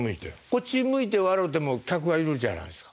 こっち向いて笑うても客がいるじゃないですか。